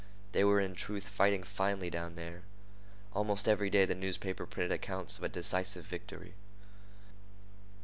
They were in truth fighting finely down there. Almost every day the newspaper printed accounts of a decisive victory.